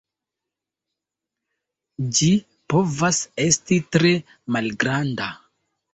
Ĝi povas esti tre malgranda.